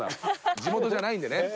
地元じゃないんでね。